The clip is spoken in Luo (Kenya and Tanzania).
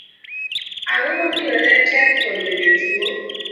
ang'o momiyo ne tek konyo jotuwo?